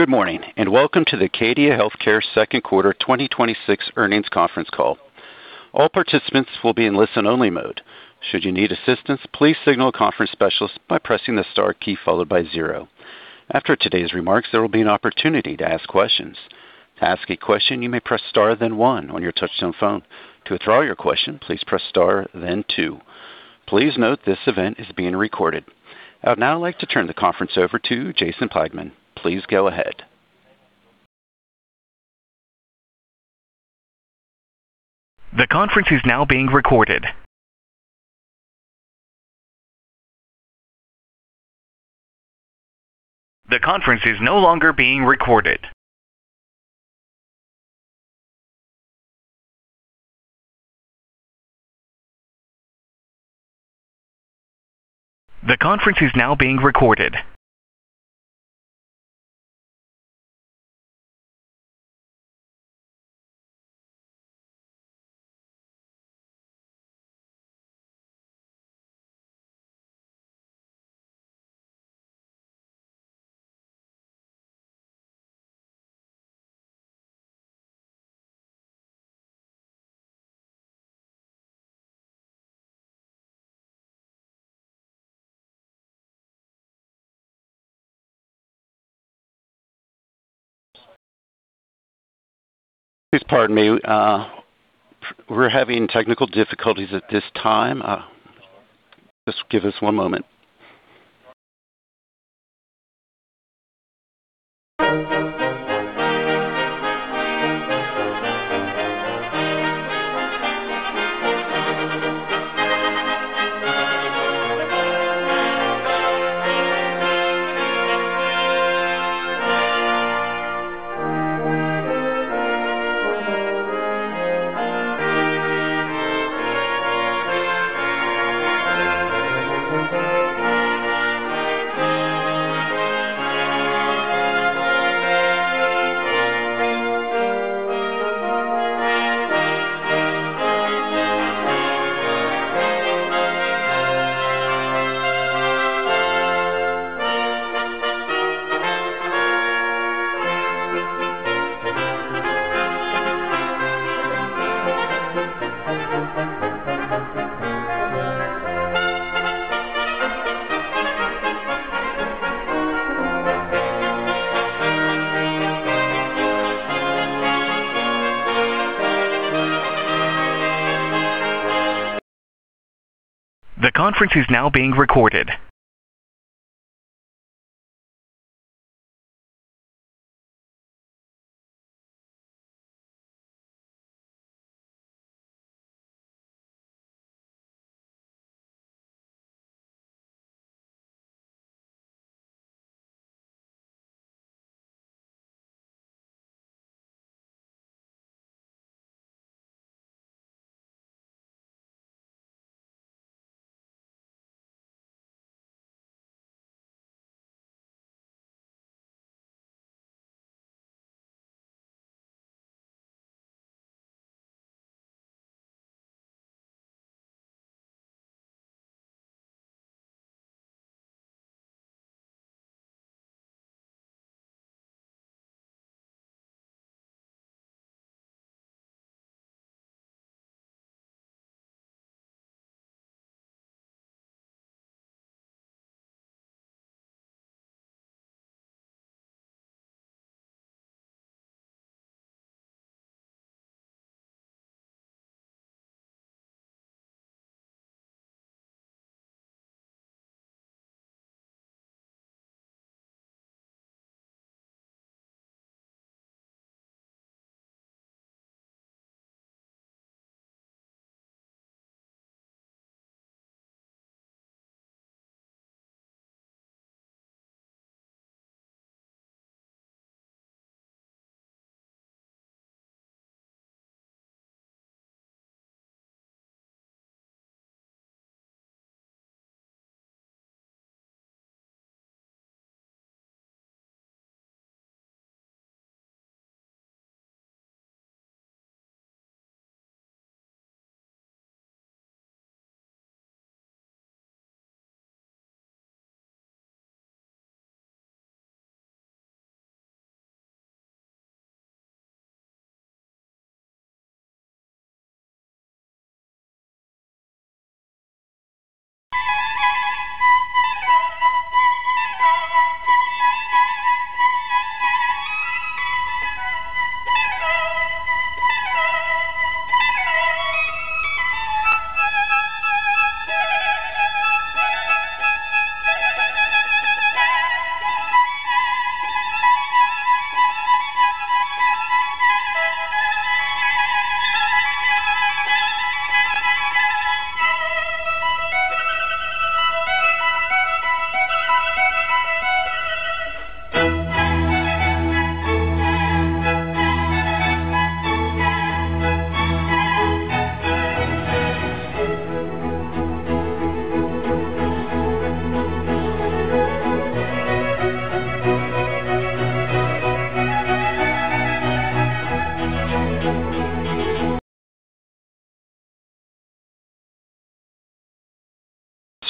Good morning, and welcome to the Acadia Healthcare Second Quarter 2026 Earnings Conference Call. All participants will be in listen only mode. Should you need assistance, please signal a conference specialist by pressing the star key followed by zero. After today's remarks, there will be an opportunity to ask questions. To ask a question, you may press star then one on your touchtone phone. To withdraw your question, please press star then two. Please note this event is being recorded. I would now like to turn the conference over to Jason Plagman. Please go ahead. We're having technical difficulties at this time. Just give us one moment.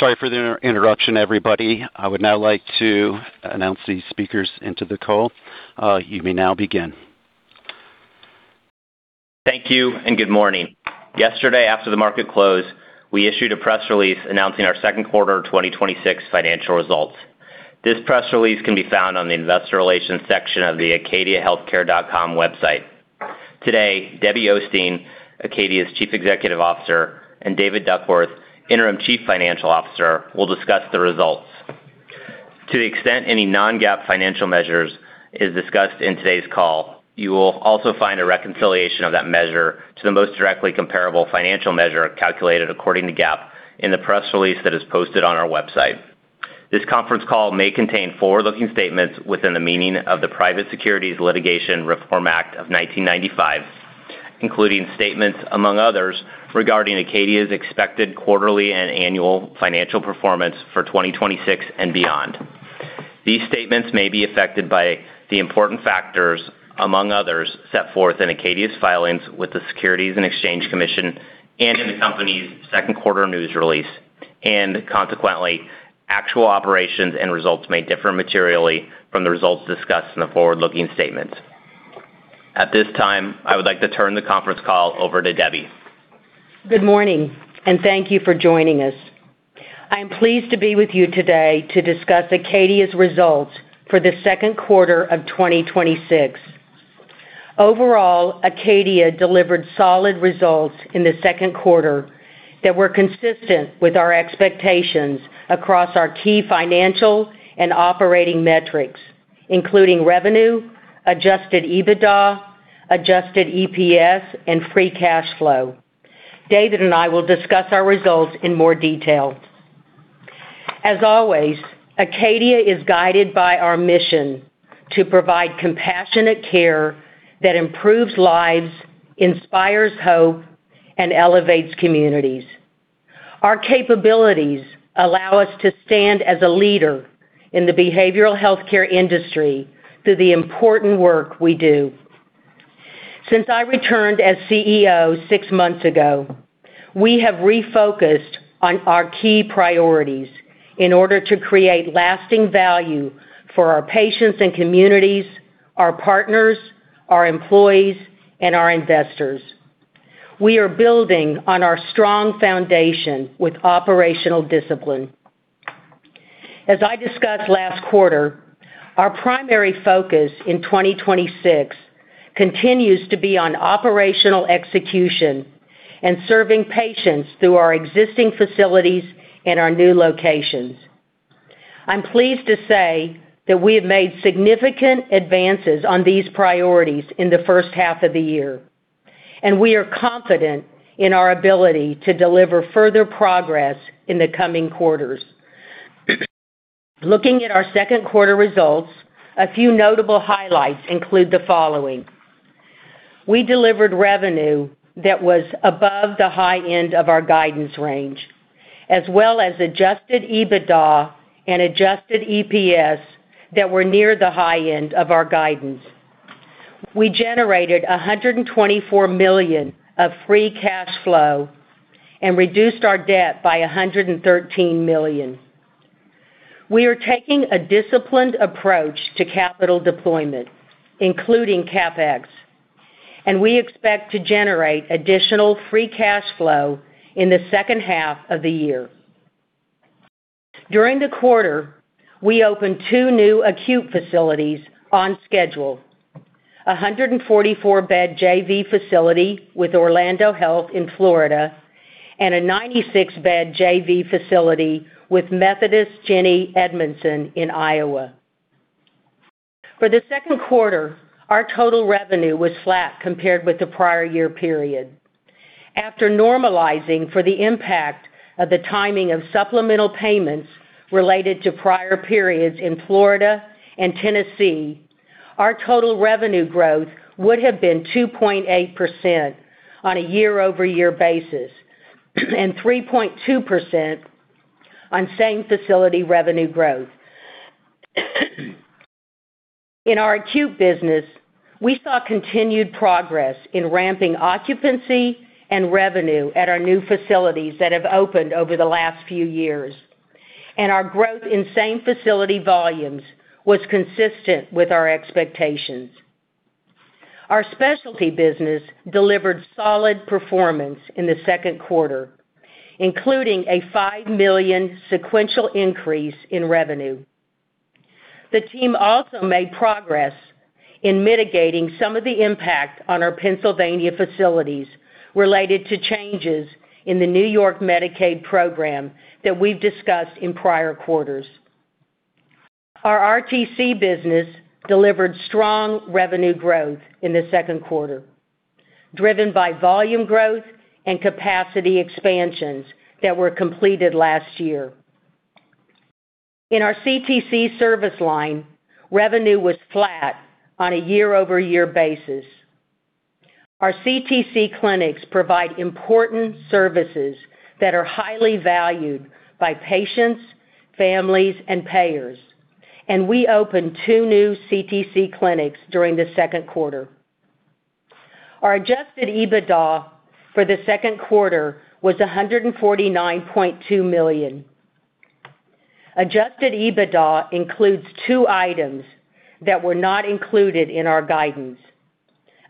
Sorry for the interruption, everybody. I would now like to announce the speakers into the call. You may now begin. Thank you, and good morning. Yesterday, after the market closed, we issued a press release announcing our second quarter 2026 financial results. This press release can be found on the Investor Relations section of the acadiahealthcare.com website. Today, Debbie Osteen, Acadia's Chief Executive Officer, and David Duckworth, Interim Chief Financial Officer, will discuss the results. To the extent any non-GAAP financial measure is discussed in today's call, you will also find a reconciliation of that measure to the most directly comparable financial measure calculated according to GAAP in the press release that is posted on our website. This conference call may contain forward-looking statements within the meaning of the Private Securities Litigation Reform Act of 1995, including statements, among others, regarding Acadia's expected quarterly and annual financial performance for 2026 and beyond. These statements may be affected by the important factors, among others, set forth in Acadia's filings with the Securities and Exchange Commission in the company's second quarter news release, consequently, actual operations and results may differ materially from the results discussed in the forward-looking statements. At this time, I would like to turn the conference call over to Debbie. Good morning, and thank you for joining us. I'm pleased to be with you today to discuss Acadia's results for the second quarter of 2026. Overall, Acadia delivered solid results in the second quarter that were consistent with our expectations across our key financial and operating metrics, including revenue, adjusted EBITDA, adjusted EPS, and free cash flow. David and I will discuss our results in more detail. As always, Acadia is guided by our mission to provide compassionate care that improves lives, inspires hope, and elevates communities. Our capabilities allow us to stand as a leader in the behavioral healthcare industry through the important work we do. Since I returned as CEO six months ago, we have refocused on our key priorities in order to create lasting value for our patients and communities, our partners, our employees, and our investors. We are building on our strong foundation with operational discipline. As I discussed last quarter, our primary focus in 2026 continues to be on operational execution and serving patients through our existing facilities and our new locations. I'm pleased to say that we have made significant advances on these priorities in the first half of the year, and we are confident in our ability to deliver further progress in the coming quarters. Looking at our second quarter results, a few notable highlights include the following. We delivered revenue that was above the high end of our guidance range, as well as adjusted EBITDA and adjusted EPS that were near the high end of our guidance. We generated $124 million of free cash flow and reduced our debt by $113 million. We are taking a disciplined approach to capital deployment, including CapEx, and we expect to generate additional free cash flow in the second half of the year. During the quarter, we opened two new acute facilities on schedule: a 144-bed JV facility with Orlando Health in Florida and a 96-bed JV facility with Methodist Jennie Edmundson in Iowa. For the second quarter, our total revenue was flat compared with the prior year period. After normalizing for the impact of the timing of supplemental payments related to prior periods in Florida and Tennessee, our total revenue growth would have been 2.8% on a year-over-year basis and 3.2% on same-facility revenue growth. In our acute business, we saw continued progress in ramping occupancy and revenue at our new facilities that have opened over the last few years, and our growth in same-facility volumes was consistent with our expectations. Our specialty business delivered solid performance in the second quarter, including a $5 million sequential increase in revenue. The team also made progress in mitigating some of the impact on our Pennsylvania facilities related to changes in the New York Medicaid program that we've discussed in prior quarters. Our RTC business delivered strong revenue growth in the second quarter, driven by volume growth and capacity expansions that were completed last year. In our CTC service line, revenue was flat on a year-over-year basis. Our CTC clinics provide important services that are highly valued by patients, families, and payers, and we opened two new CTC clinics during the second quarter. Our adjusted EBITDA for the second quarter was $149.2 million. Adjusted EBITDA includes two items that were not included in our guidance.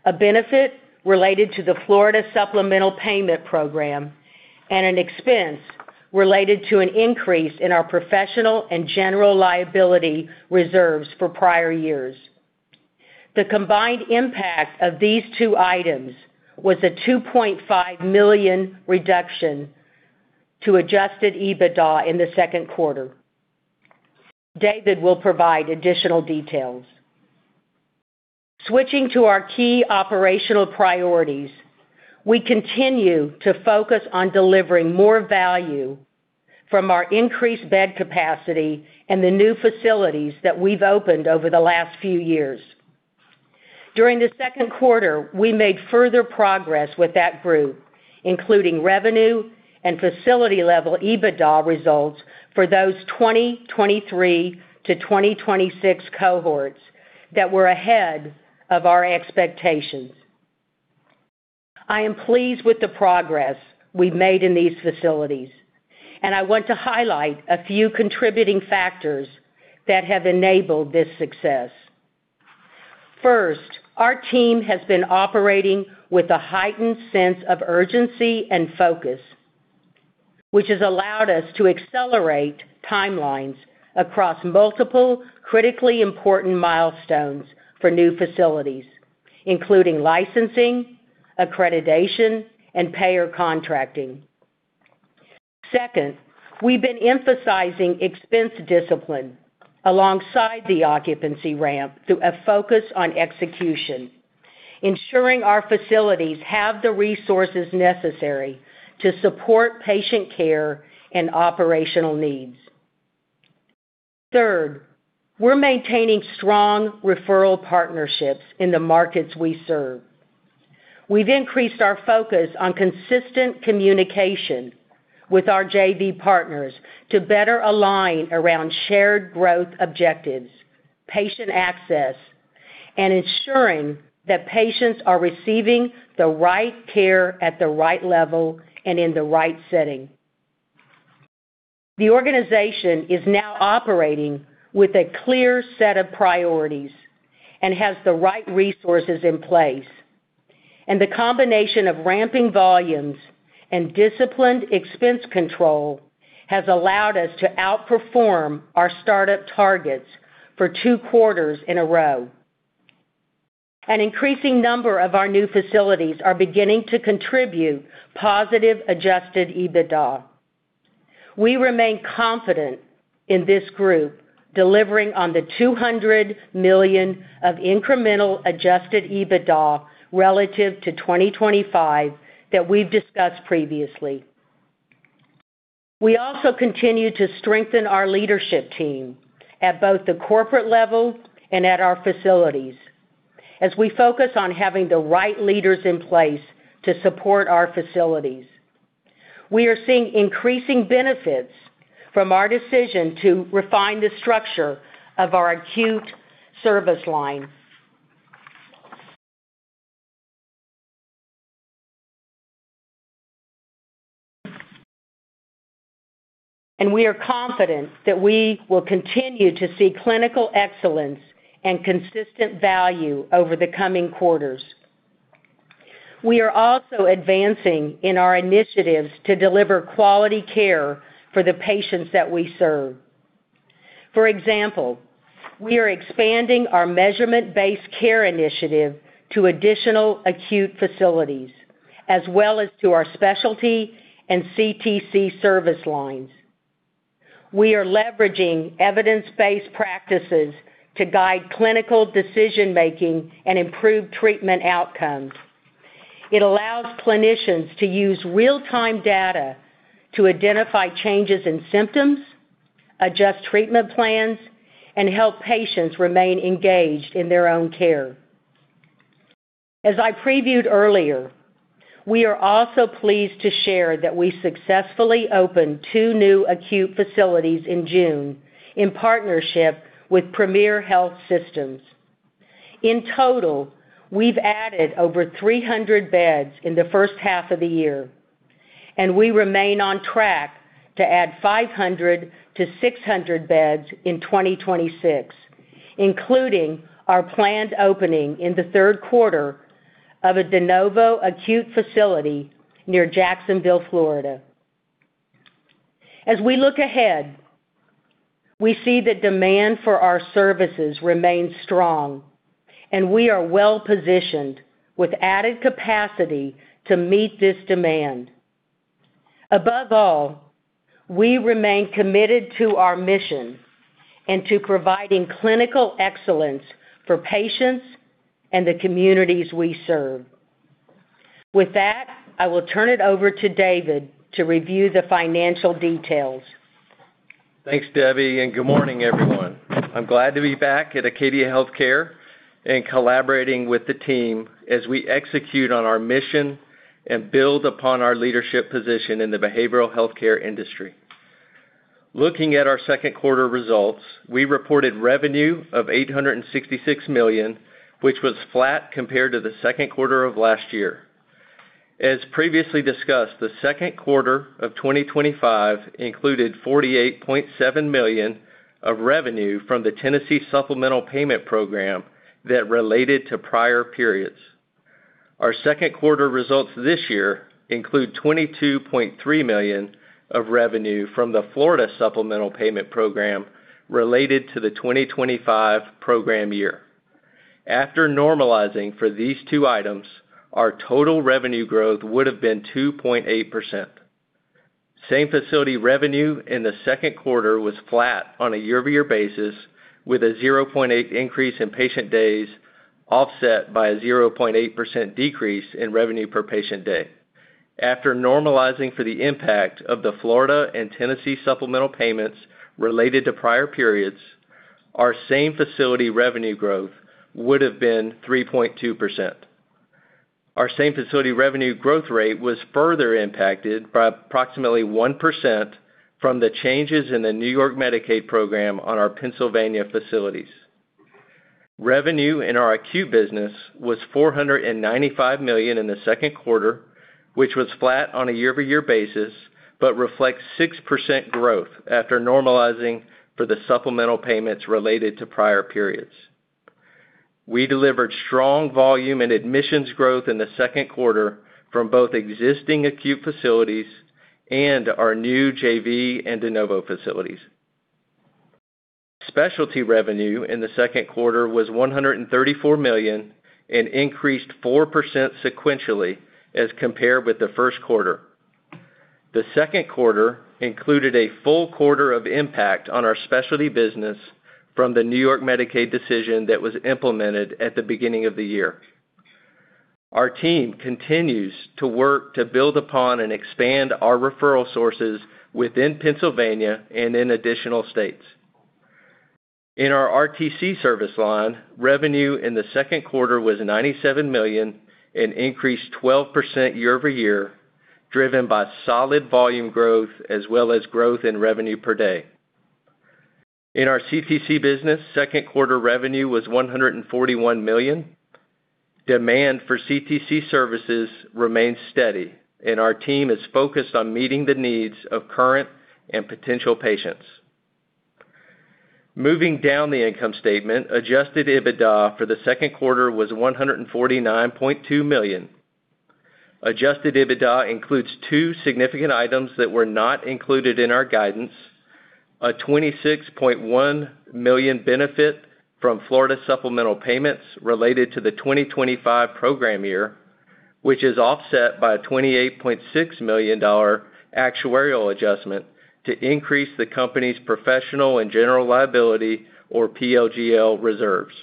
A benefit related to the Florida Supplemental Payment Program, and an expense related to an increase in our professional and general liability reserves for prior years. The combined impact of these two items was a $2.5 million reduction to adjusted EBITDA in the second quarter. David will provide additional details. Switching to our key operational priorities, we continue to focus on delivering more value from our increased bed capacity and the new facilities that we've opened over the last few years. During the second quarter, we made further progress with that group, including revenue and facility-level EBITDA results for those 2023 to 2026 cohorts that were ahead of our expectations. I am pleased with the progress we've made in these facilities, and I want to highlight a few contributing factors that have enabled this success. First, our team has been operating with a heightened sense of urgency and focus, which has allowed us to accelerate timelines across multiple critically important milestones for new facilities, including licensing, accreditation, and payer contracting. Second, we've been emphasizing expense discipline alongside the occupancy ramp through a focus on execution, ensuring our facilities have the resources necessary to support patient care and operational needs. Third, we're maintaining strong referral partnerships in the markets we serve. We've increased our focus on consistent communication with our JV partners to better align around shared growth objectives, patient access, and ensuring that patients are receiving the right care at the right level and in the right setting. The organization is now operating with a clear set of priorities and has the right resources in place, the combination of ramping volumes and disciplined expense control has allowed us to outperform our startup targets for two quarters in a row. An increasing number of our new facilities are beginning to contribute positive adjusted EBITDA. We remain confident in this group delivering on the $200 million of incremental adjusted EBITDA relative to 2025 that we've discussed previously. We also continue to strengthen our leadership team at both the corporate level and at our facilities. As we focus on having the right leaders in place to support our facilities, we are seeing increasing benefits from our decision to refine the structure of our acute service line. We are confident that we will continue to see clinical excellence and consistent value over the coming quarters. We are also advancing in our initiatives to deliver quality care for the patients that we serve. For example, we are expanding our measurement-based care initiative to additional acute facilities, as well as to our specialty and CTC service lines. We are leveraging evidence-based practices to guide clinical decision-making and improve treatment outcomes. It allows clinicians to use real-time data to identify changes in symptoms, adjust treatment plans, and help patients remain engaged in their own care. As I previewed earlier, we are also pleased to share that we successfully opened two new acute facilities in June in partnership with Premier Health Systems. In total, we've added over 300 beds in the first half of the year, and we remain on track to add 500-600 beds in 2026, including our planned opening in the third quarter of a de novo acute facility near Jacksonville, Florida. As we look ahead, we see that demand for our services remains strong, and we are well-positioned with added capacity to meet this demand. Above all, we remain committed to our mission and to providing clinical excellence for patients and the communities we serve. With that, I will turn it over to David to review the financial details. Thanks, Debbie, and good morning, everyone. I am glad to be back at Acadia Healthcare and collaborating with the team as we execute on our mission and build upon our leadership position in the behavioral healthcare industry. Looking at our second quarter results, we reported revenue of $866 million, which was flat compared to the second quarter of last year. As previously discussed, the second quarter of 2025 included $48.7 million of revenue from the Tennessee Supplemental Payment Program that related to prior periods. Our second quarter results this year include $22.3 million of revenue from the Florida Supplemental Payment Program related to the 2025 program year. After normalizing for these two items, our total revenue growth would have been 2.8%. Same-facility revenue in the second quarter was flat on a year-over-year basis, with a 0.8% increase in patient days offset by a 0.8% decrease in revenue per patient day. After normalizing for the impact of the Florida and Tennessee supplemental payments related to prior periods, our same-facility revenue growth would have been 3.2%. Our same-facility revenue growth rate was further impacted by approximately 1% from the changes in the New York Medicaid program on our Pennsylvania facilities. Revenue in our acute business was $495 million in the second quarter, which was flat on a year-over-year basis, but reflects 6% growth after normalizing for the supplemental payments related to prior periods. We delivered strong volume and admissions growth in the second quarter from both existing acute facilities and our new JV and de novo facilities. Specialty revenue in the second quarter was $134 million and increased 4% sequentially as compared with the first quarter. The second quarter included a full quarter of impact on our specialty business from the New York Medicaid decision that was implemented at the beginning of the year. Our team continues to work to build upon and expand our referral sources within Pennsylvania and in additional states. In our RTC service line, revenue in the second quarter was $97 million and increased 12% year-over-year, driven by solid volume growth as well as growth in revenue per day. In our CTC business, second quarter revenue was $141 million. Demand for CTC services remains steady, and our team is focused on meeting the needs of current and potential patients. Moving down the income statement, adjusted EBITDA for the second quarter was $149.2 million. Adjusted EBITDA includes two significant items that were not included in our guidance, a $26.1 million benefit from Florida Supplemental Payments related to the 2025 program year, which is offset by a $28.6 million actuarial adjustment to increase the company's professional and general liability, or PLGL, reserves.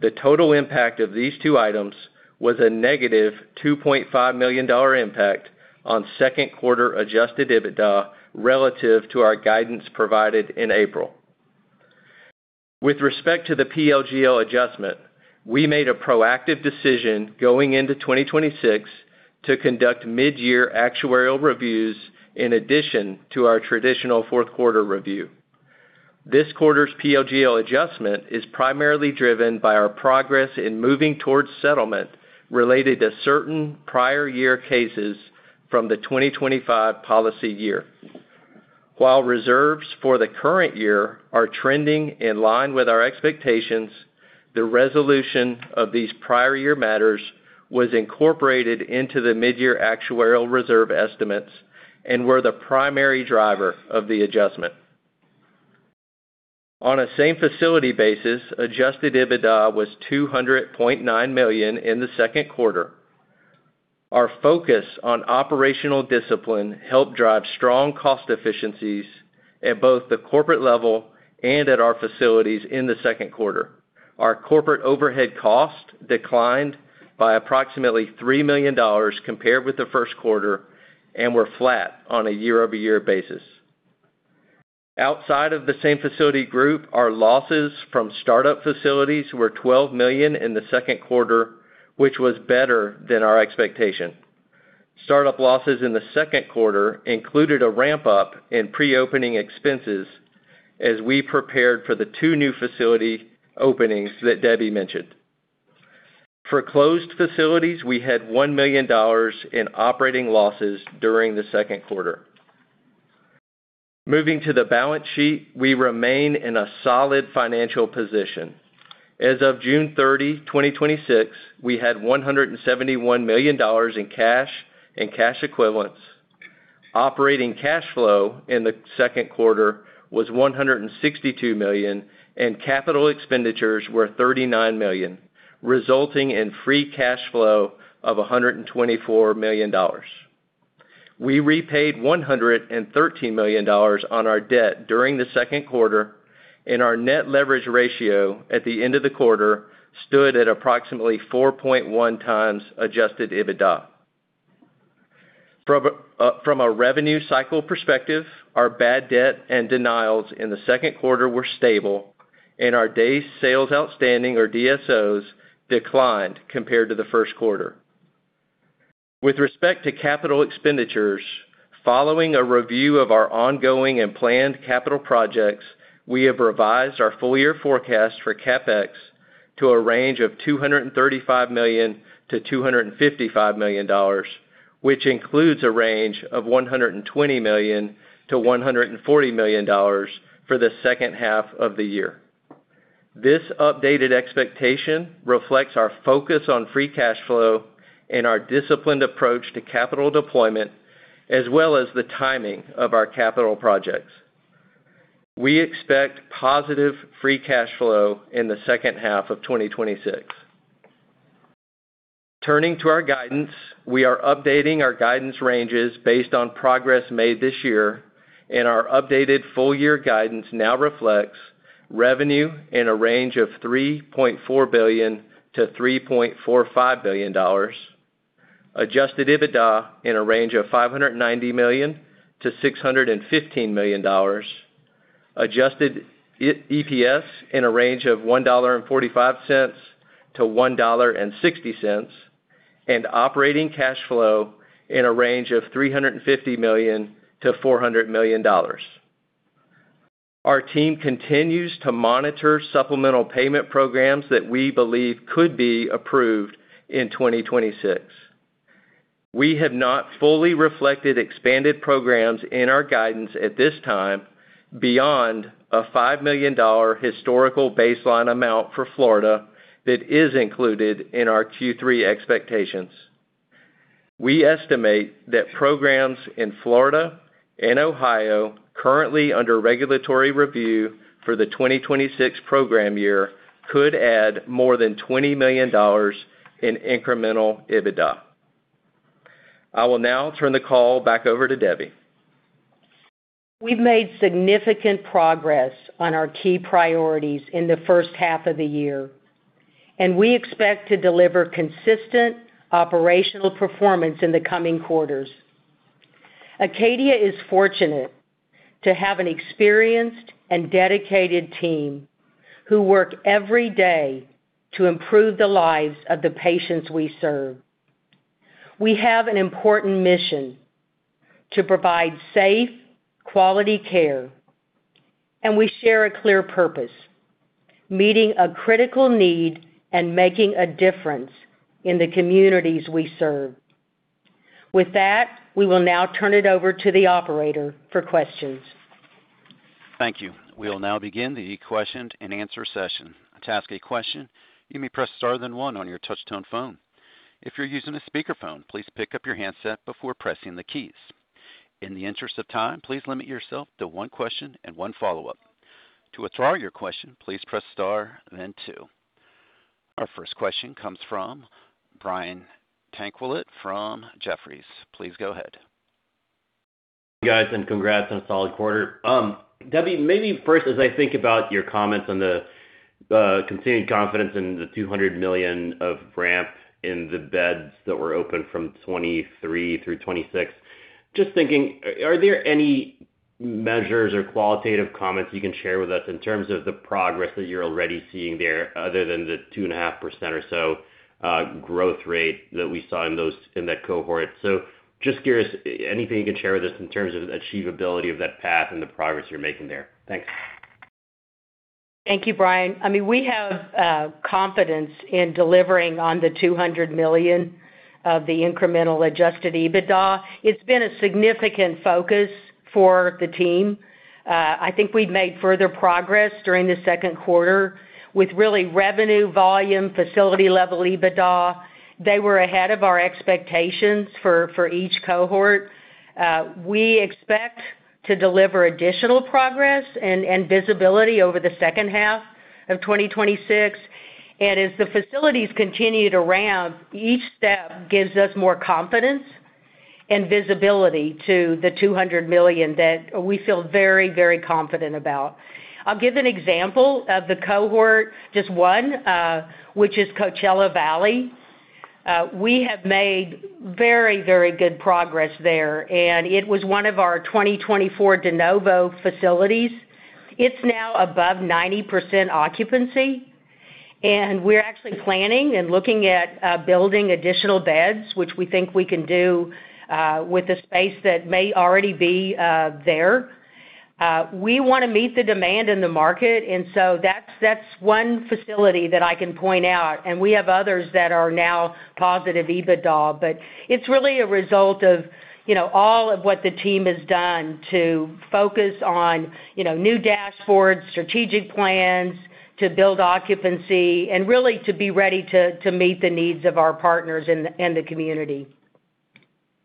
The total impact of these two items was a negative $2.5 million impact on second quarter adjusted EBITDA relative to our guidance provided in April. With respect to the PLGL adjustment, we made a proactive decision going into 2026 to conduct mid-year actuarial reviews in addition to our traditional fourth quarter review. This quarter's PLGL adjustment is primarily driven by our progress in moving towards settlement related to certain prior year cases from the 2025 policy year. While reserves for the current year are trending in line with our expectations, the resolution of these prior year matters was incorporated into the mid-year actuarial reserve estimates and were the primary driver of the adjustment. On a same-facility basis, adjusted EBITDA was $200.9 million in the second quarter. Our focus on operational discipline helped drive strong cost efficiencies at both the corporate level and at our facilities in the second quarter. Our corporate overhead cost declined by approximately $3 million compared with the first quarter, and were flat on a year-over-year basis. Outside of the same-facility group, our losses from start-up facilities were $12 million in the second quarter, which was better than our expectation. Start-up losses in the second quarter included a ramp-up in pre-opening expenses as we prepared for the two new facility openings that Debbie mentioned. For closed facilities, we had $1 million in operating losses during the second quarter. Moving to the balance sheet, we remain in a solid financial position. As of June 30, 2026, we had $171 million in cash and cash equivalents. Operating cash flow in the second quarter was $162 million, and capital expenditures were $39 million, resulting in free cash flow of $124 million. We repaid $113 million on our debt during the second quarter, and our net leverage ratio at the end of the quarter stood at approximately 4.1x adjusted EBITDA. From a revenue cycle perspective, our bad debt and denials in the second quarter were stable, and our Days Sales Outstanding, or DSOs, declined compared to the first quarter. With respect to capital expenditures, following a review of our ongoing and planned capital projects, we have revised our full year forecast for CapEx to a range of $235 million-$255 million, which includes a range of $120 million-$140 million for the second half of the year. This updated expectation reflects our focus on free cash flow and our disciplined approach to capital deployment, as well as the timing of our capital projects. We expect positive free cash flow in the second half of 2026. Turning to our guidance, we are updating our guidance ranges based on progress made this year. Our updated full year guidance now reflects revenue in a range of $3.4 billion-$3.45 billion, adjusted EBITDA in a range of $590 million-$615 million, adjusted EPS in a range of $1.45-$1.60, and operating cash flow in a range of $350 million-$400 million. Our team continues to monitor supplemental payment programs that we believe could be approved in 2026. We have not fully reflected expanded programs in our guidance at this time, beyond a $5 million historical baseline amount for Florida that is included in our Q3 expectations. We estimate that programs in Florida and Ohio currently under regulatory review for the 2026 program year could add more than $20 million in incremental EBITDA. I will now turn the call back over to Debbie. We've made significant progress on our key priorities in the first half of the year. We expect to deliver consistent operational performance in the coming quarters. Acadia is fortunate to have an experienced and dedicated team who work every day to improve the lives of the patients we serve. We have an important mission to provide safe, quality care. We share a clear purpose, meeting a critical need and making a difference in the communities we serve. With that, we will now turn it over to the operator for questions. Thank you. We'll now begin the question and answer session. To ask a question, you may press star then one on your touch tone phone. If you're using a speakerphone, please pick up your handset before pressing the keys. In the interest of time, please limit yourself to one question and one follow-up. To withdraw your question, please press star then two. Our first question comes from Brian Tanquilut from Jefferies. Please go ahead. You guys, congrats on a solid quarter. Debbie, maybe first as I think about your comments on the continuing confidence in the $200 million of ramp in the beds that were open from 2023 through 2026. Just thinking, are there any measures or qualitative comments you can share with us in terms of the progress that you're already seeing there other than the 2.5% or so growth rate that we saw in those, in that cohort? Just curious, anything you can share with us in terms of achievability of that path and the progress you're making there? Thanks. Thank you, Brian. I mean, we have confidence in delivering on the $200 million of the incremental adjusted EBITDA. It's been a significant focus for the team. I think we've made further progress during the second quarter with really revenue volume, facility level EBITDA. They were ahead of our expectations for each cohort. We expect to deliver additional progress and visibility over the second half of 2026. As the facilities continue to ramp, each step gives us more confidence and visibility to the $200 million that we feel very, very confident about. I'll give an example of the cohort, just one, which is Coachella Valley. We have made very, very good progress there, and it was one of our 2024 de novo facilities. It's now above 90% occupancy, we're actually planning and looking at building additional beds, which we think we can do with the space that may already be there. We want to meet the demand in the market, that's one facility that I can point out, we have others that are now positive EBITDA. It's really a result of, you know, all of what the team has done to focus on, you know, new dashboards, strategic plans, to build occupancy, and really to be ready to meet the needs of our partners and the community.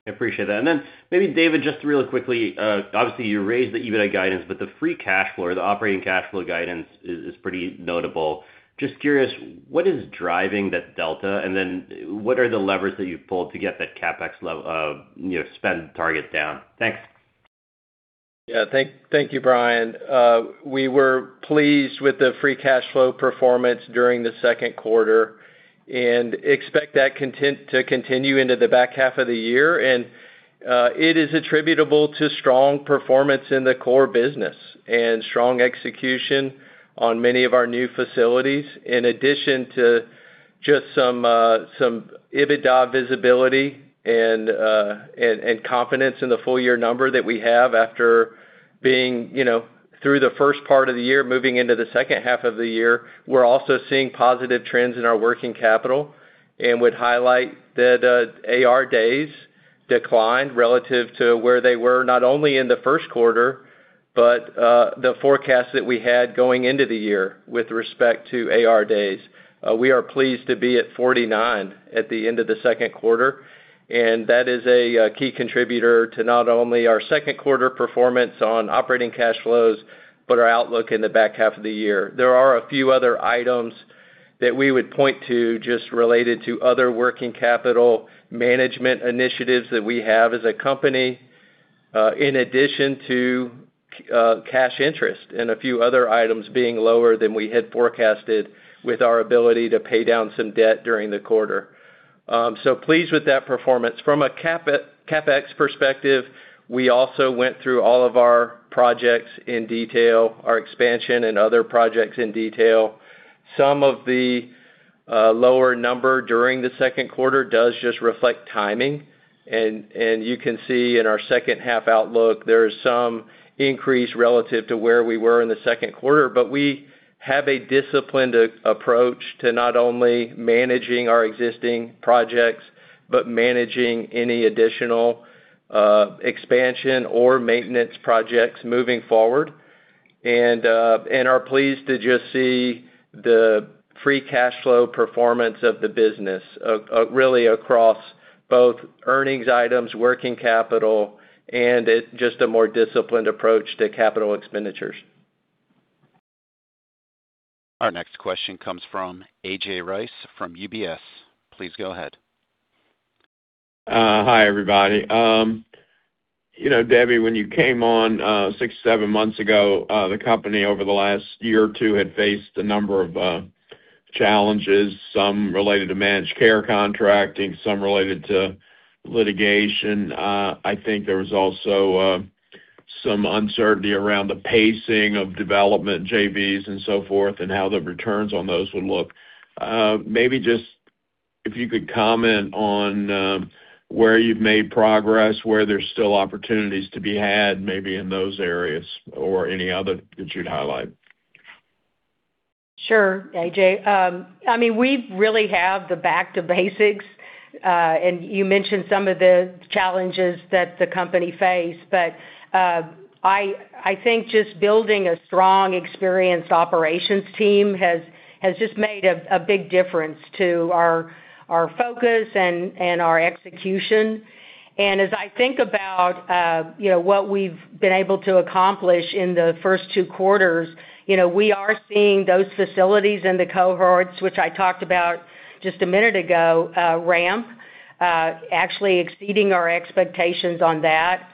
I appreciate that. Maybe David, just really quickly, obviously you raised the EBITDA guidance, the free cash flow, the operating cash flow guidance is pretty notable. Just curious, what is driving that delta? What are the levers that you've pulled to get that CapEx spend target down? Thanks. Yeah. Thank you, Brian. We were pleased with the free cash flow performance during the second quarter and expect that to continue into the back half of the year. It is attributable to strong performance in the core business and strong execution on many of our new facilities, in addition to just some EBITDA visibility and confidence in the full-year number that we have after being through the first part of the year, moving into the second half of the year. We're also seeing positive trends in our working capital and would highlight that AR days declined relative to where they were, not only in the first quarter, but the forecast that we had going into the year with respect to AR days. We are pleased to be at 49 at the end of the second quarter, and that is a key contributor to not only our second quarter performance on operating cash flows, but our outlook in the back half of the year. There are a few other items that we would point to just related to other working capital management initiatives that we have as a company, in addition to cash interest and a few other items being lower than we had forecasted with our ability to pay down some debt during the quarter. Pleased with that performance. From a CapEx perspective, we also went through all of our projects in detail, our expansion and other projects in detail. Some of the lower number during the second quarter does just reflect timing, and you can see in our second half outlook, there is some increase relative to where we were in the second quarter. We have a disciplined approach to not only managing our existing projects, but managing any additional expansion or maintenance projects moving forward, and are pleased to just see the free cash flow performance of the business, really across both earnings items, working capital, and just a more disciplined approach to capital expenditures. Our next question comes from A.J. Rice from UBS. Please go ahead. Hi, everybody. Debbie, when you came on six, seven months ago, the company over the last year or two had faced a number of challenges, some related to managed care contracting, some related to litigation. I think there was also some uncertainty around the pacing of development JVs and so forth, and how the returns on those would look. Maybe just if you could comment on where you've made progress, where there's still opportunities to be had, maybe in those areas or any other that you'd highlight. Sure, A.J. We really have the back to basics. You mentioned some of the challenges that the company faced, I think just building a strong, experienced operations team has just made a big difference to our focus and our execution. As I think about what we've been able to accomplish in the first two quarters, we are seeing those facilities and the cohorts, which I talked about just one minute ago, ramp, actually exceeding our expectations on that.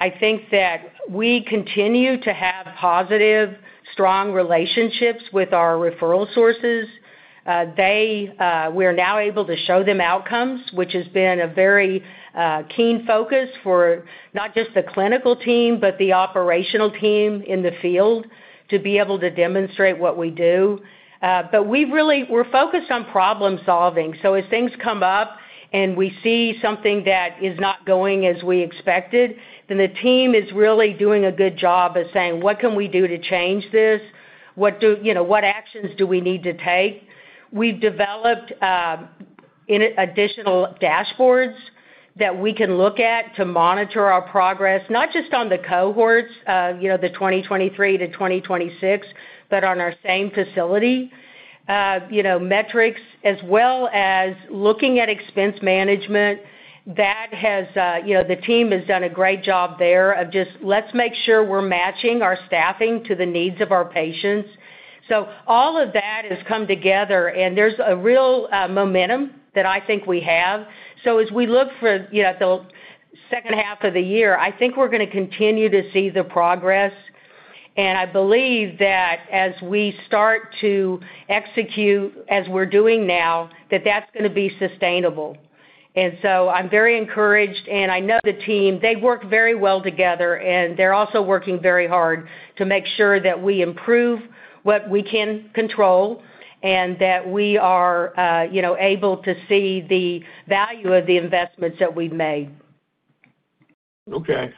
I think that we continue to have positive, strong relationships with our referral sources. We're now able to show them outcomes, which has been a very keen focus for not just the clinical team, but the operational team in the field to be able to demonstrate what we do. We're focused on problem-solving, as things come up and we see something that is not going as we expected, the team is really doing a good job of saying: What can we do to change this? What actions do we need to take? We've developed additional dashboards that we can look at to monitor our progress, not just on the cohorts, the 2023 to 2026, but on our same facility metrics as well as looking at expense management. The team has done a great job there of just let's make sure we're matching our staffing to the needs of our patients. All of that has come together, and there's a real momentum that I think we have. As we look for the second half of the year, I think we're going to continue to see the progress, I believe that as we start to execute as we're doing now, that that's going to be sustainable. I'm very encouraged, and I know the team. They work very well together, and they're also working very hard to make sure that we improve what we can control and that we are able to see the value of the investments that we've made. Okay.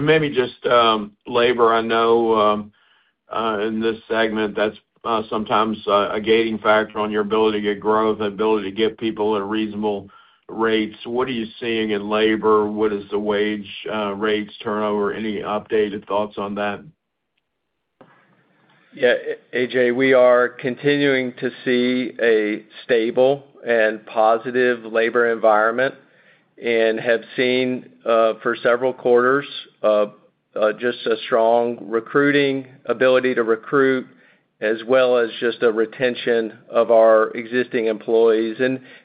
Maybe just labor. I know in this segment, that's sometimes a gating factor on your ability to get growth and ability to get people at reasonable rates. What are you seeing in labor? What is the wage rates turnover? Any updated thoughts on that? A.J., we are continuing to see a stable and positive labor environment and have seen for several quarters just a strong recruiting ability to recruit as well as just a retention of our existing employees.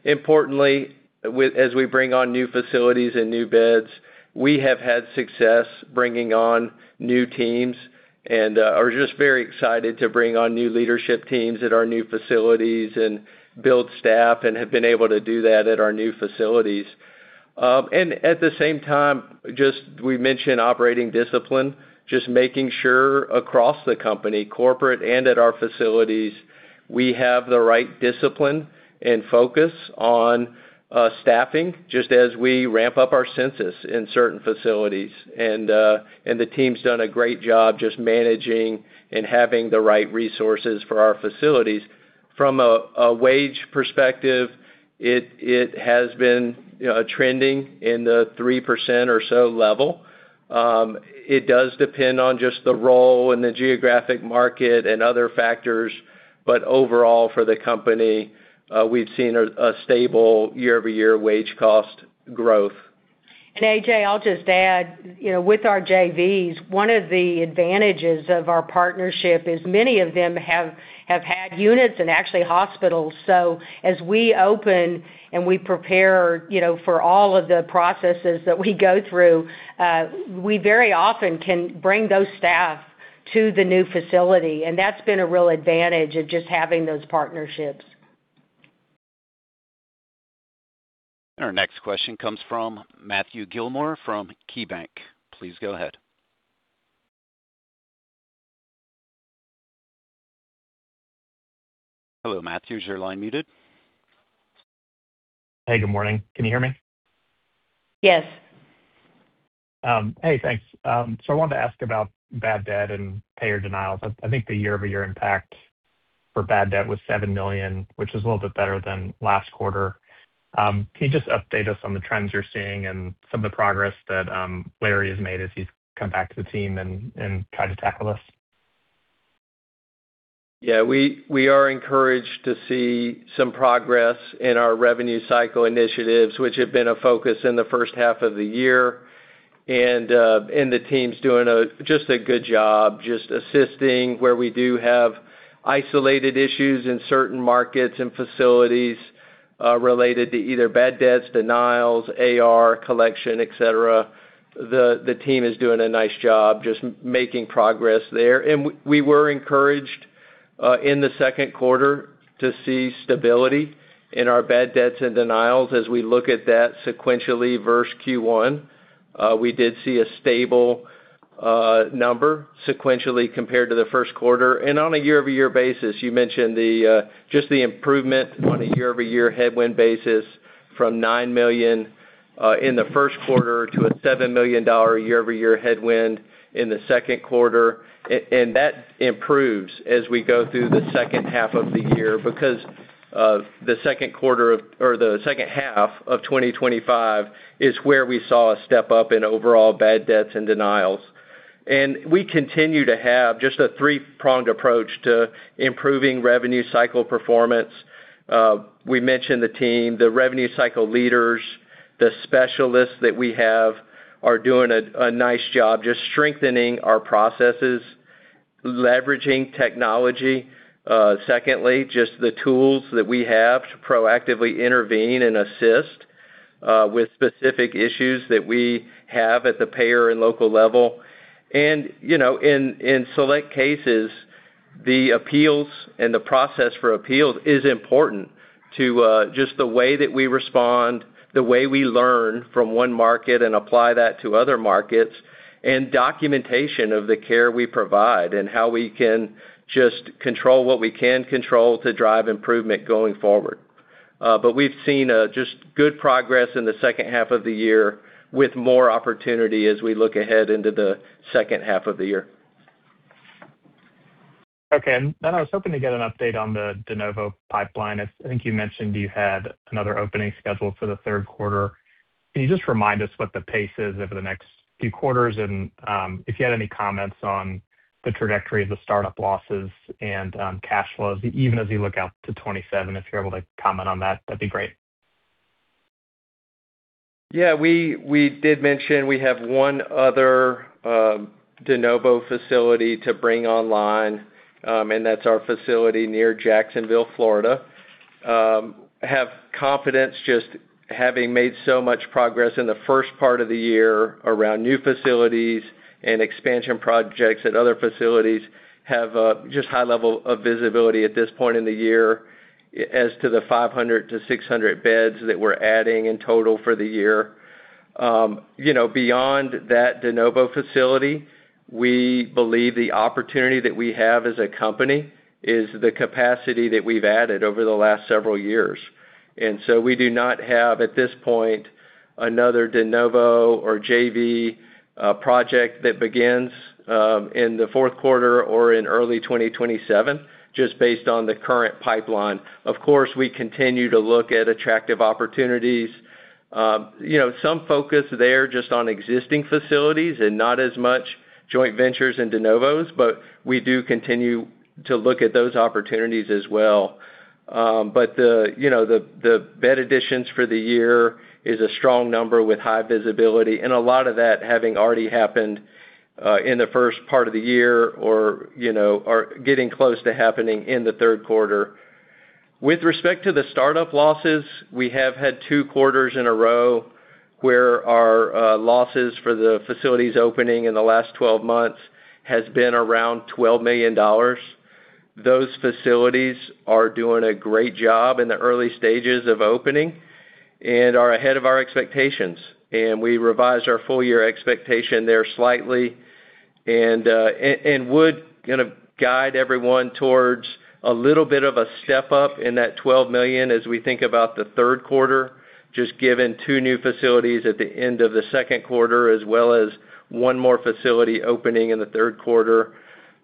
Importantly, as we bring on new facilities and new beds, we have had success bringing on new teams and are just very excited to bring on new leadership teams at our new facilities and build staff, and have been able to do that at our new facilities. At the same time, we mentioned operating discipline, just making sure across the company, corporate and at our facilities, we have the right discipline and focus on staffing just as we ramp up our census in certain facilities. The team's done a great job just managing and having the right resources for our facilities. From a wage perspective, it has been trending in the 3% or so level. It does depend on just the role and the geographic market and other factors. Overall, for the company, we've seen a stable year-over-year wage cost growth. A.J., I'll just add, with our JVs, one of the advantages of our partnership is many of them have had units in, actually, hospitals. As we open and we prepare for all of the processes that we go through, we very often can bring those staff to the new facility. That's been a real advantage of just having those partnerships. Our next question comes from Matthew Gillmor from KeyBanc. Please go ahead. Hello, Matthew, is your line muted? Hey, good morning. Can you hear me? Yes. Hey, thanks. I wanted to ask about bad debt and payer denials. I think the year-over-year impact for bad debt was $7 million, which is a little bit better than last quarter. Can you just update us on the trends you're seeing and some of the progress that Larry has made as he's come back to the team and tried to tackle this? Yeah, we are encouraged to see some progress in our revenue cycle initiatives, which have been a focus in the first half of the year. The team's doing just a good job, just assisting where we do have isolated issues in certain markets and facilities, related to either bad debts, denials, AR, collection, et cetera. The team is doing a nice job just making progress there. We were encouraged in the second quarter to see stability in our bad debts and denials as we look at that sequentially versus Q1. We did see a stable number sequentially compared to the first quarter. On a year-over-year basis, you mentioned just the improvement on a year-over-year headwind basis from $9 million in the first quarter to a $7 million year-over-year headwind in the second quarter. That improves as we go through the second half of the year because the second quarter or the second half of 2025 is where we saw a step-up in overall bad debts and denials. We continue to have just a three-pronged approach to improving revenue cycle performance. We mentioned the team, the revenue cycle leaders, the specialists that we have are doing a nice job just strengthening our processes, leveraging technology. Secondly, just the tools that we have to proactively intervene and assist with specific issues that we have at the payer and local level. In select cases, the appeals and the process for appeals is important to just the way that we respond, the way we learn from one market and apply that to other markets, and documentation of the care we provide and how we can just control what we can control to drive improvement going forward. We've seen just good progress in the second half of the year with more opportunity as we look ahead into the second half of the year. Okay. I was hoping to get an update on the de novo pipeline. I think you mentioned you had another opening scheduled for the third quarter. Can you just remind us what the pace is over the next few quarters and if you had any comments on the trajectory of the startup losses and cash flows, even as you look out to 2027? If you're able to comment on that'd be great. We did mention we have one other de novo facility to bring online, and that's our facility near Jacksonville, Florida. Have confidence just having made so much progress in the first part of the year around new facilities and expansion projects at other facilities, have just high level of visibility at this point in the year as to the 500-600 beds that we're adding in total for the year. Beyond that de novo facility, we believe the opportunity that we have as a company is the capacity that we've added over the last several years. We do not have, at this point, another de novo or JV project that begins in the fourth quarter or in early 2027, just based on the current pipeline. Of course, we continue to look at attractive opportunities. Some focus there just on existing facilities and not as much joint ventures and de novos, we do continue to look at those opportunities as well. The bed additions for the year is a strong number with high visibility and a lot of that having already happened, in the first part of the year or are getting close to happening in the third quarter. With respect to the startup losses, we have had two quarters in a row where our losses for the facilities opening in the last 12 months has been around $12 million. Those facilities are doing a great job in the early stages of opening and are ahead of our expectations. We revised our full year expectation there slightly and would guide everyone towards a little bit of a step up in that $12 million as we think about the third quarter, just given two new facilities at the end of the second quarter, as well as one more facility opening in the third quarter.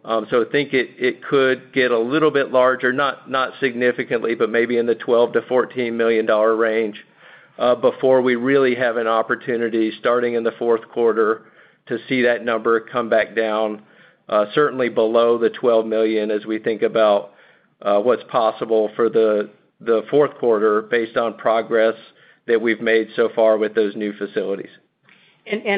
I think it could get a little bit larger, not significantly, but maybe in the $12 million-$14 million range, before we really have an opportunity, starting in the fourth quarter, to see that number come back down certainly below the $12 million as we think about what's possible for the fourth quarter based on progress that we've made so far with those new facilities.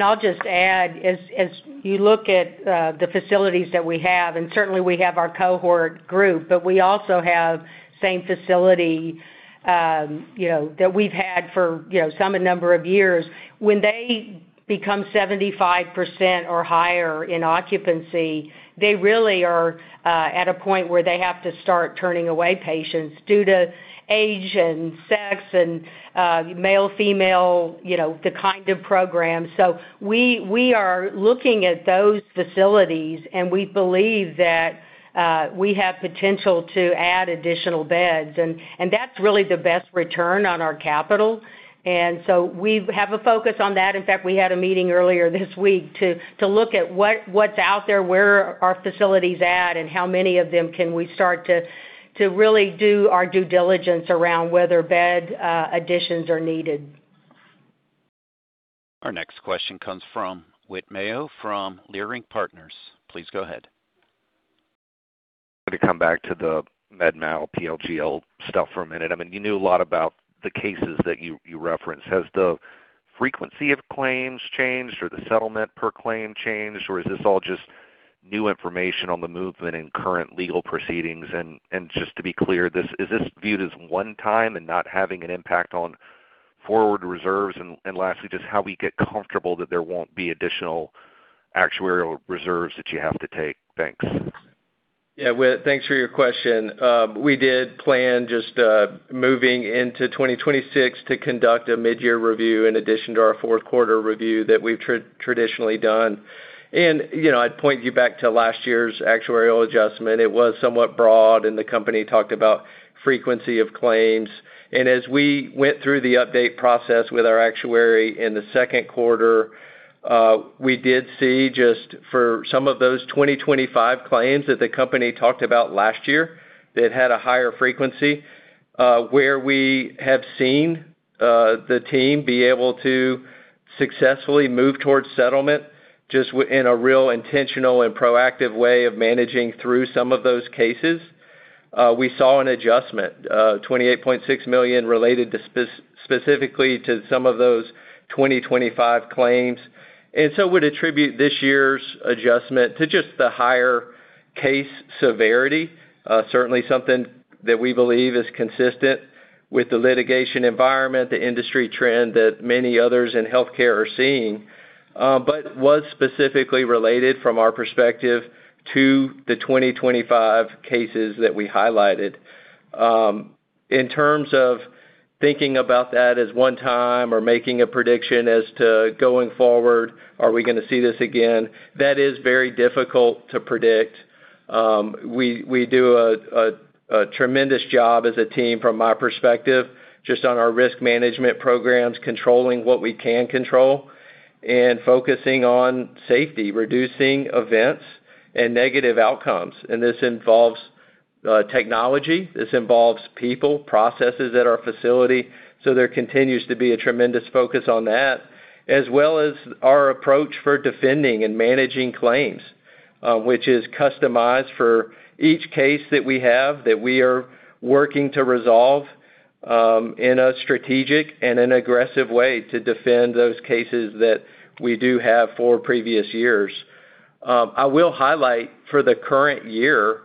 I'll just add, as you look at the facilities that we have, and certainly we have our cohort group, but we also have same facility that we've had for some a number of years. When they become 75% or higher in occupancy, they really are at a point where they have to start turning away patients due to age and sex and male, female, the kind of program. We are looking at those facilities, and we believe that we have potential to add additional beds. That's really the best return on our capital. We have a focus on that. In fact, we had a meeting earlier this week to look at what's out there, where are facilities at, and how many of them can we start to really do our due diligence around whether bed additions are needed. Our next question comes from Whit Mayo from Leerink Partners. Please go ahead. To come back to the MedMal PLGL stuff for a minute. You knew a lot about the cases that you referenced. Has the frequency of claims changed, or the settlement per claim changed, or is this all just new information on the movement in current legal proceedings? Just to be clear, is this viewed as one time and not having an impact on forward reserves? Lastly, just how we get comfortable that there won't be additional actuarial reserves that you have to take. Thanks. Whit, thanks for your question. We did plan just moving into 2026 to conduct a mid-year review in addition to our fourth quarter review that we've traditionally done. I'd point you back to last year's actuarial adjustment. It was somewhat broad. The company talked about frequency of claims. As we went through the update process with our actuary in the second quarter, we did see just for some of those 2025 claims that the company talked about last year that had a higher frequency, where we have seen the team be able to successfully move towards settlement, just in a real intentional and proactive way of managing through some of those cases. We saw an adjustment, $28.6 million, related specifically to some of those 2025 claims. Would attribute this year's adjustment to just the higher case severity. Certainly something that we believe is consistent with the litigation environment, the industry trend that many others in healthcare are seeing. Was specifically related, from our perspective, to the 2025 cases that we highlighted. In terms of thinking about that as one time or making a prediction as to going forward, are we going to see this again, that is very difficult to predict. We do a tremendous job as a team, from my perspective, just on our risk management programs, controlling what we can control and focusing on safety, reducing events and negative outcomes. This involves technology, this involves people, processes at our facility. There continues to be a tremendous focus on that, as well as our approach for defending and managing claims, which is customized for each case that we have that we are working to resolve in a strategic and an aggressive way to defend those cases that we do have for previous years. I will highlight for the current year,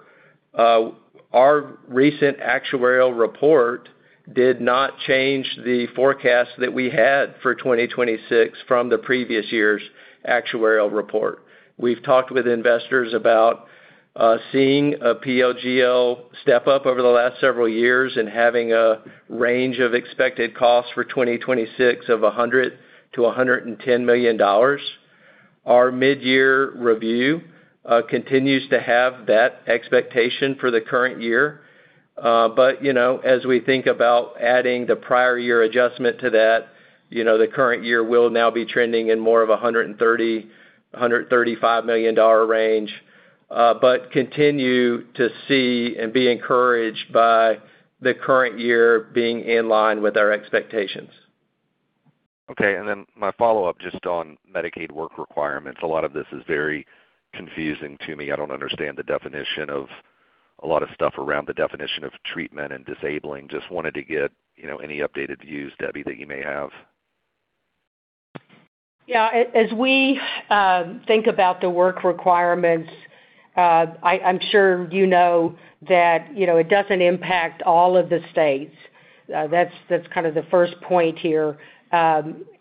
our recent actuarial report did not change the forecast that we had for 2026 from the previous year's actuarial report. We've talked with investors about seeing a PLGL step up over the last several years and having a range of expected costs for 2026 of $100 million-$110 million. Our mid-year review continues to have that expectation for the current year. As we think about adding the prior year adjustment to that, the current year will now be trending in more of $130 million-$135 million range. Continue to see and be encouraged by the current year being in line with our expectations. Okay, my follow-up just on Medicaid work requirements. A lot of this is very confusing to me. I don't understand the definition of a lot of stuff around the definition of treatment and disabling. Just wanted to get any updated views, Debbie, that you may have. As we think about the work requirements, I'm sure you know that it doesn't impact all of the states. That's the first point here.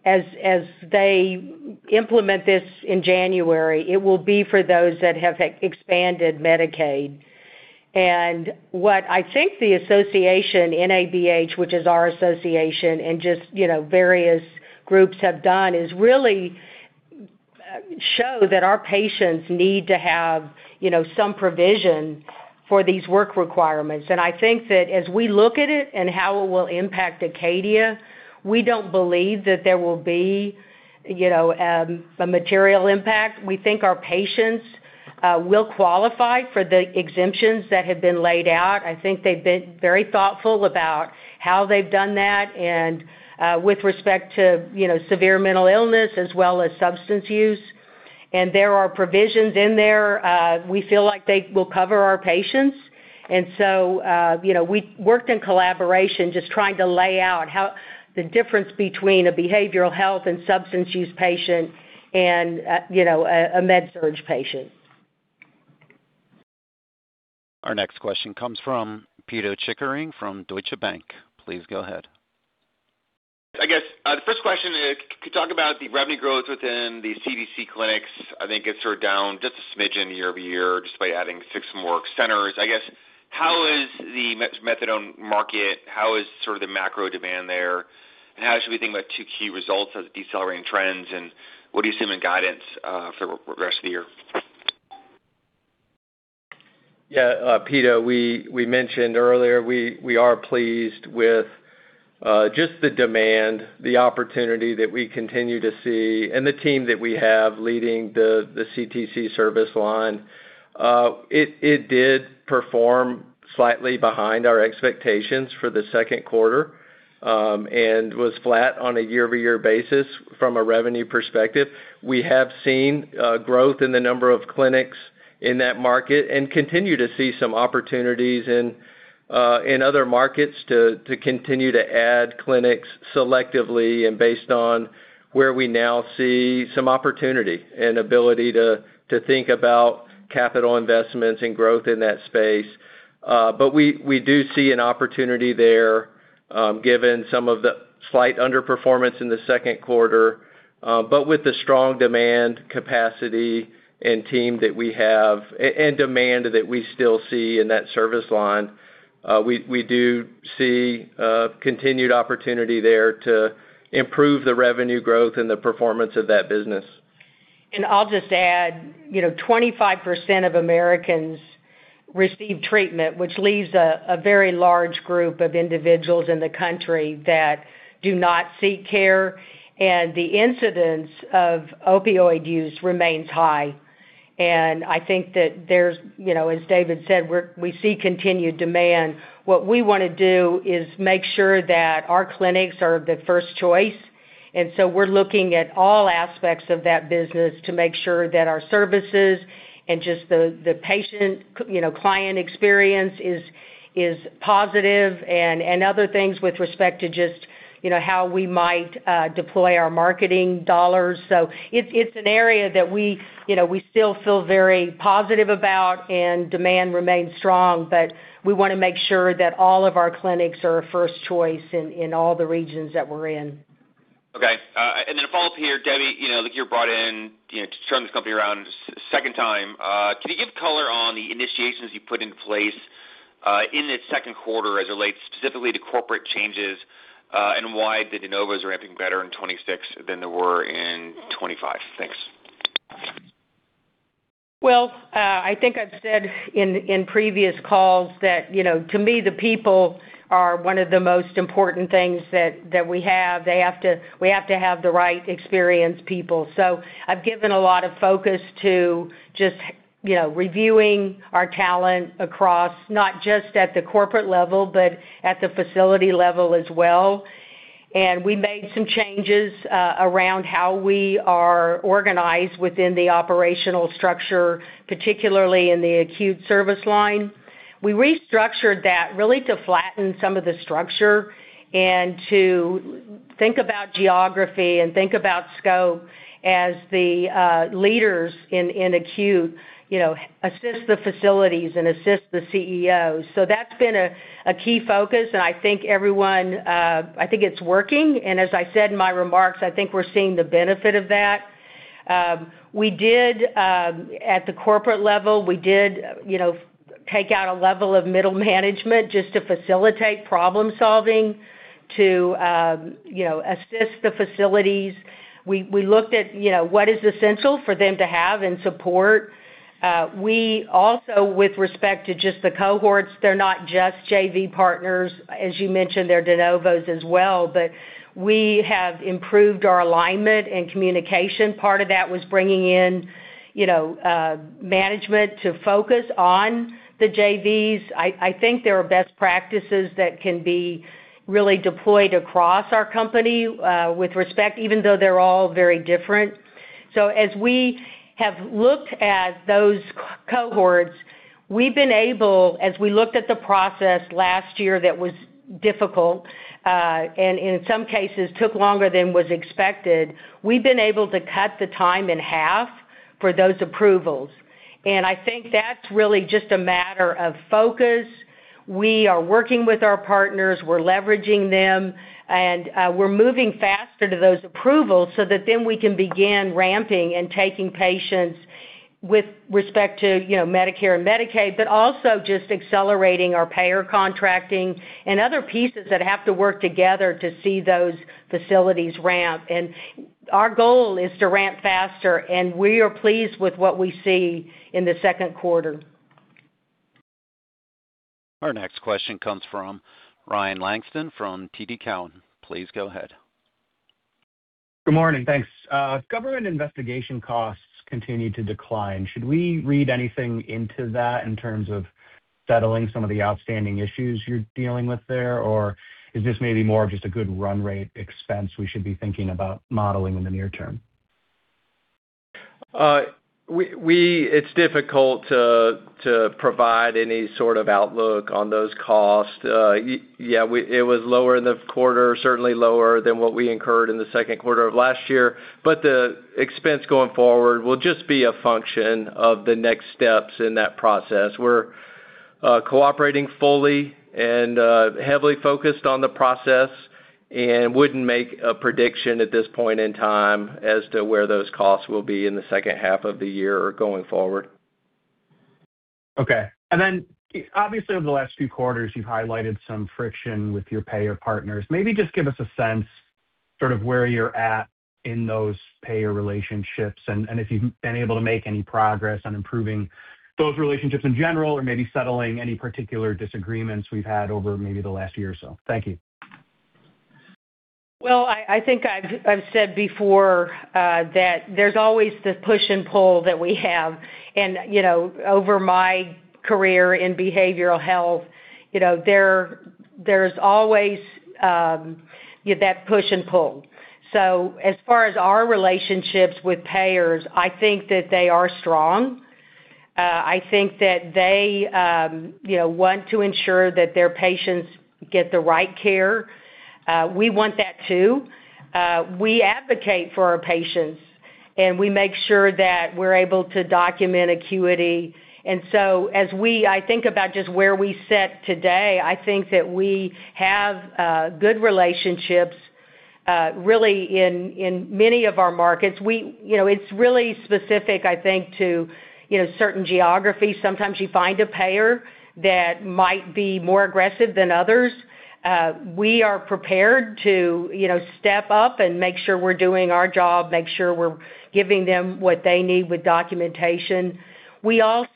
As they implement this in January, it will be for those that have expanded Medicaid. What I think the association, NABH, which is our association, and just various groups have done is really show that our patients need to have some provision for these work requirements. I think that as we look at it and how it will impact Acadia, we don't believe that there will be a material impact. We think our patients will qualify for the exemptions that have been laid out. I think they've been very thoughtful about how they've done that and with respect to severe mental illness as well as substance use. There are provisions in there. We feel like they will cover our patients. We worked in collaboration, just trying to lay out how the difference between a behavioral health and substance use patient and a med surg patient. Our next question comes from Pito Chickering from Deutsche Bank. Please go ahead. I guess, the first question is, could you talk about the revenue growth within the CTC clinics? I think it's down just a smidgen year-over-year, just by adding six more centers. I guess, how is the methadone market, how is the macro demand there, and how should we think about two key results of decelerating trends? What do you see in the guidance for the rest of the year? Yeah. Pito, we mentioned earlier, we are pleased with just the demand, the opportunity that we continue to see, and the team that we have leading the CTC service line. It did perform slightly behind our expectations for the second quarter, and was flat on a year-over-year basis from a revenue perspective. We have seen growth in the number of clinics in that market and continue to see some opportunities in other markets to continue to add clinics selectively and based on where we now see some opportunity and ability to think about capital investments and growth in that space. We do see an opportunity there, given some of the slight underperformance in the second quarter. With the strong demand capacity and team that we have and demand that we still see in that service line, we do see continued opportunity there to improve the revenue growth and the performance of that business. I'll just add, 25% of Americans receive treatment, which leaves a very large group of individuals in the country that do not seek care, and the incidence of opioid use remains high. I think that there's, as David said, we see continued demand. What we want to do is make sure that our clinics are the first choice. We're looking at all aspects of that business to make sure that our services and just the patient-client experience is positive and other things with respect to just how we might deploy our marketing dollars. It's an area that we still feel very positive about and demand remains strong, but we want to make sure that all of our clinics are a first choice in all the regions that we're in. A follow-up here. Debbie, you're brought in to turn this company around a second time. Can you give color on the initiations you put in place in this second quarter as it relates specifically to corporate changes and why the de novos are amping better in 2026 than they were in 2025? Thanks. Well, I think I've said in previous calls that to me, the people are one of the most important things that we have. We have to have the right experienced people. I've given a lot of focus to just reviewing our talent across, not just at the corporate level, but at the facility level as well. We made some changes around how we are organized within the operational structure, particularly in the acute service line. We restructured that really to flatten some of the structure and to think about geography and think about scope as the leaders in acute assist the facilities and assist the CEOs. That's been a key focus, and I think it's working, and as I said in my remarks, I think we're seeing the benefit of that. At the corporate level, we did take out a level of middle management just to facilitate problem-solving to assist the facilities. We looked at what is essential for them to have and support. We also, with respect to just the cohorts, they're not just JV partners, as you mentioned, they're de novos as well. We have improved our alignment and communication. Part of that was bringing in management to focus on the JVs. I think there are best practices that can be really deployed across our company, with respect, even though they're all very different. As we have looked at those cohorts, as we looked at the process last year, that was difficult, and in some cases took longer than was expected, we've been able to cut the time in half for those approvals, and I think that's really just a matter of focus. We are working with our partners, we're leveraging them, and we're moving faster to those approvals so that then we can begin ramping and taking patients with respect to Medicare and Medicaid. Also just accelerating our payer contracting and other pieces that have to work together to see those facilities ramp. Our goal is to ramp faster, and we are pleased with what we see in the second quarter. Our next question comes from Ryan Langston from TD Cowen. Please go ahead. Good morning. Thanks. Government investigation costs continue to decline. Should we read anything into that in terms of settling some of the outstanding issues you're dealing with there? Is this maybe more of just a good run rate expense we should be thinking about modeling in the near term? It's difficult to provide any sort of outlook on those costs. Yeah, it was lower in the quarter, certainly lower than what we incurred in the second quarter of last year. The expense going forward will just be a function of the next steps in that process. We're cooperating fully and heavily focused on the process and wouldn't make a prediction at this point in time as to where those costs will be in the second half of the year or going forward. Okay. Obviously over the last few quarters, you've highlighted some friction with your payer partners. Maybe just give us a sense sort of where you're at in those payer relationships and if you've been able to make any progress on improving those relationships in general or maybe settling any particular disagreements we've had over maybe the last year or so. Thank you. I think I've said before, that there's always the push and pull that we have and over my career in behavioral health, there's always that push and pull. As far as our relationships with payers, I think that they are strong. I think that they want to ensure that their patients get the right care. We want that, too. We advocate for our patients, and we make sure that we're able to document acuity. As I think about just where we sit today, I think that we have good relationships, really in many of our markets. It's really specific, I think, to certain geographies. Sometimes you find a payer that might be more aggressive than others. We are prepared to step up and make sure we're doing our job, make sure we're giving them what they need with documentation. We've been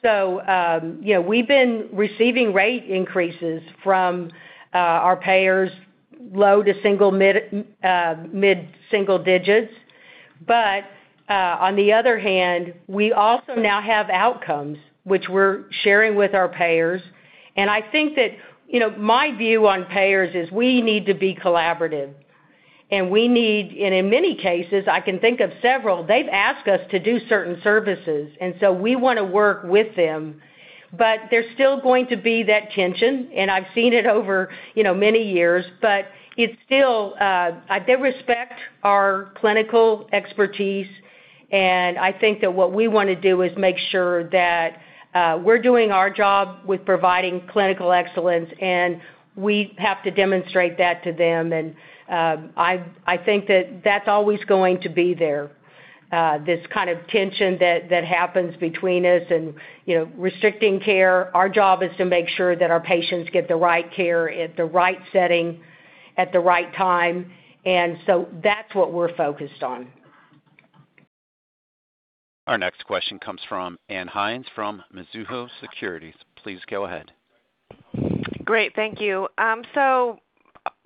receiving rate increases from our payers low to mid-single digits. On the other hand, we also now have outcomes which we're sharing with our payers. I think that my view on payers is we need to be collaborative. In many cases, I can think of several, they've asked us to do certain services, we want to work with them. There's still going to be that tension, and I've seen it over many years. They respect our clinical expertise, and I think that what we want to do is make sure that we're doing our job with providing clinical excellence, and we have to demonstrate that to them. I think that's always going to be there, this kind of tension that happens between us and restricting care. Our job is to make sure that our patients get the right care at the right setting at the right time. That's what we're focused on. Our next question comes from Ann Hynes from Mizuho Securities. Please go ahead. Great. Thank you.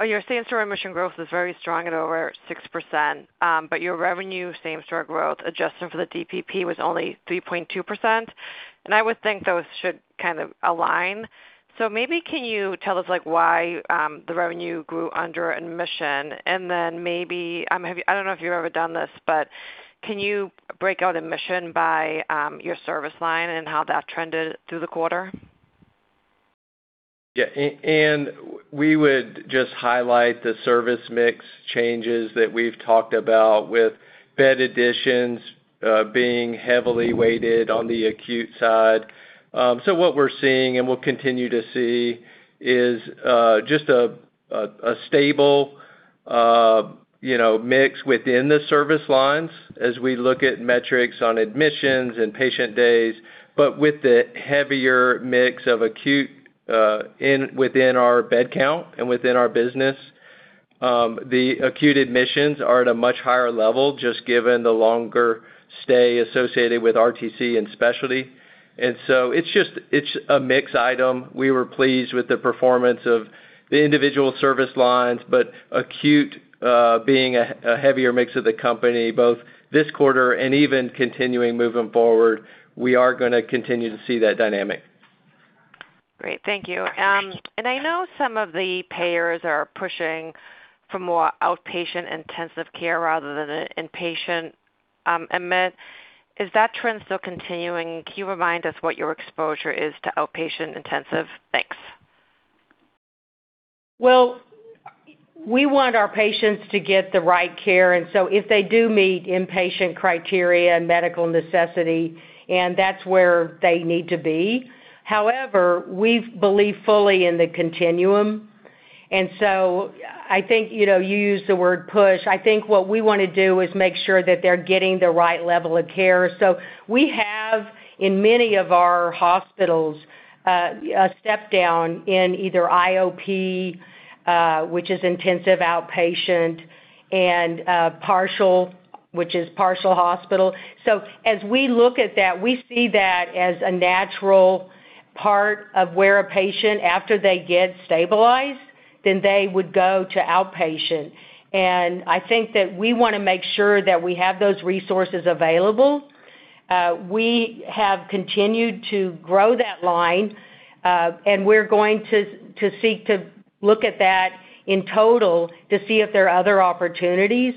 Your same-store admission growth was very strong at over 6%, but your revenue same-store growth adjusted for the DPP was only 3.2%, and I would think those should kind of align. Maybe can you tell us why the revenue grew under admission? Then maybe, I don't know if you've ever done this, but can you break out admission by your service line and how that trended through the quarter? Ann, we would just highlight the service mix changes that we've talked about with bed additions being heavily weighted on the acute side. What we're seeing and will continue to see is just a stable mix within the service lines as we look at metrics on admissions and patient days. With the heavier mix of acute, within our bed count and within our business, the acute admissions are at a much higher level just given the longer stay associated with RTC and specialty. It's a mix item. We were pleased with the performance of the individual service lines, but acute being a heavier mix of the company both this quarter and even continuing moving forward, we are going to continue to see that dynamic. Great. Thank you. I know some of the payers are pushing for more outpatient intensive care rather than inpatient admit. Is that trend still continuing? Can you remind us what your exposure is to outpatient intensive? Thanks. Well, we want our patients to get the right care, if they do meet inpatient criteria and medical necessity, and that's where they need to be. However, we believe fully in the continuum, I think, you used the word push. I think what we want to do is make sure that they're getting the right level of care. We have, in many of our hospitals, a step-down in either IOP, which is intensive outpatient, and partial, which is partial hospital. As we look at that, we see that as a natural part of where a patient, after they get stabilized, then they would go to outpatient. I think that we want to make sure that we have those resources available. We have continued to grow that line, we're going to seek to look at that in total to see if there are other opportunities.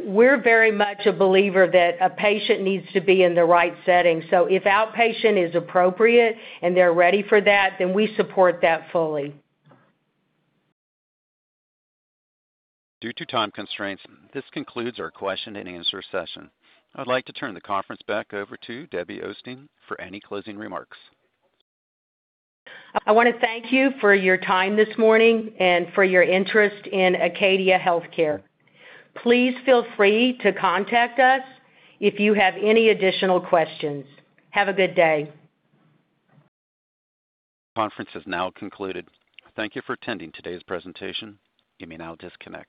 We're very much a believer that a patient needs to be in the right setting. If outpatient is appropriate and they're ready for that, then we support that fully. Due to time constraints, this concludes our question-and-answer session. I would like to turn the conference back over to Debbie Osteen for any closing remarks. I want to thank you for your time this morning and for your interest in Acadia Healthcare. Please feel free to contact us if you have any additional questions. Have a good day. Conference is now concluded. Thank you for attending today's presentation. You may now disconnect.